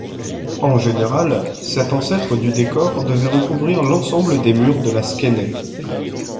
En général, cet ancêtre du décor devait recouvrir l'ensemble des murs de la skéné.